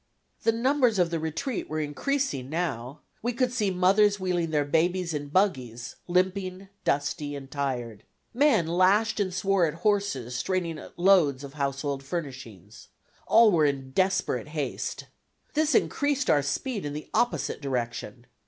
The numbers of the retreat were increasing now. We could see mothers wheeling their babes in buggies, limping, dusty, and tired. Men lashed and swore at horses straining at loads of household furnishings. All were in desperate haste. This increased our speed in the opposite direction.